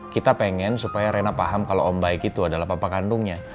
kita pengen supaya rena paham kalau om baik itu adalah papa kandungnya